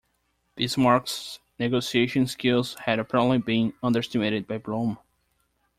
Bismarck's negotiation skills had apparently been underestimated by Blome.